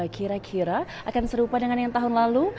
kira kira akan serupa dengan yang tahun lalu